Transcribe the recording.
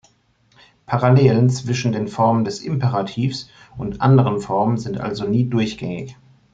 Parallelen zwischen den Formen des Imperativs und anderen Formen sind also nie durchgängig.